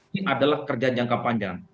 ini adalah kerja jangka panjang